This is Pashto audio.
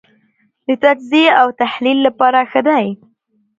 د تجزیې او تحلیل لپاره ښه دی.